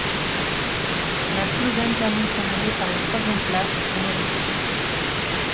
La Slovène termine son année par une troisième place au tournoi de Tokyo.